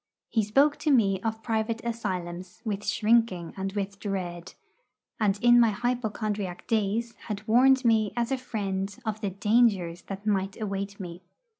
He spoke to me of private asylums with shrinking and with dread; and in my hypochondriac days had warned me as a friend of the dangers that might await me.